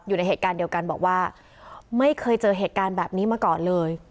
อยู่ในเหตุการณ์เดียวกันบอกว่าไม่เคยเจอเหตุการณ์แบบนี้มาก่อนเลย